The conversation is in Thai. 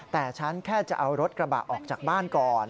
แต่ฉันแค่จะเอารถกระบะออกจากบ้านก่อน